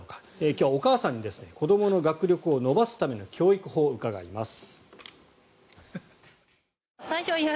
今日はお母さんに子どもの学力を伸ばすための教育法を伺います。